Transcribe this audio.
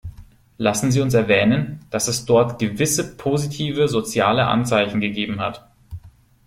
Lassen Sie uns erwähnen, dass es dort gewisse positive, soziale Anzeichen gegeben hat.